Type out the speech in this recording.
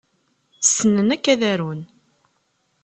Ssnen akk ad arun.